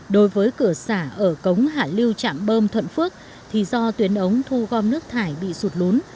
đối với cửa xả ở cống hạ lưu trạm bơm thuận phước thì do tuyến ống thu gom nước thải bị sụt lún